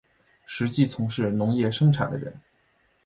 实际从事农业生产的人